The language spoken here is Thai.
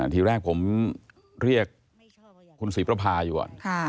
ทีแรกผมเรียกคุณศรีประพาอยู่ก่อน